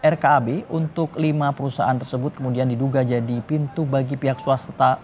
rkab untuk lima perusahaan tersebut kemudian diduga jadi pintu bagi pihak swasta